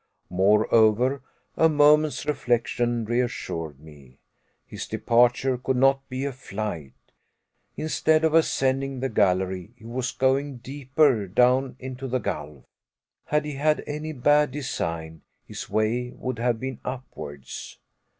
Moreover, a moment's reflection reassured me. His departure could not be a flight. Instead of ascending the gallery, he was going deeper down into the gulf. Had he had any bad design, his way would have been upwards.